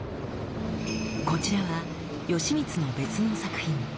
こちらは吉光の別の作品。